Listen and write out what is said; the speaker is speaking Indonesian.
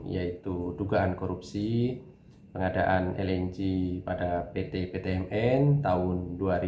yaitu dugaan korupsi pengadaan lng pada pt ptmn tahun dua ribu dua puluh